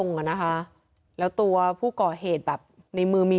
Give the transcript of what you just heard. เพราะว่าถ้าวันนั้นถ้าควันลงมาจริงนี่